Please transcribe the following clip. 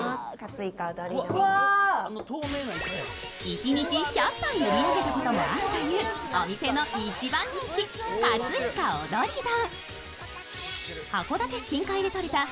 一日１００杯売り上げたこともあるというお店の一番人気、活いか踊り丼。